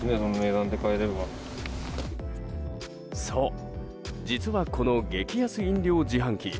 そう実はこの激安飲料自販機。